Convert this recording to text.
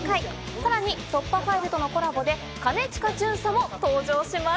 さらに『突破ファイル』とのコラボで兼近巡査も登場します。